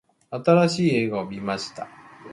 新しい映画を観ました。